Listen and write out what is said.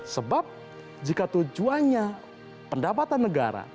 sebab jika tujuannya pendapatan negara